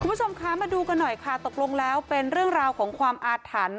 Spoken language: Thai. คุณผู้ชมคะมาดูกันหน่อยค่ะตกลงแล้วเป็นเรื่องราวของความอาถรรพ์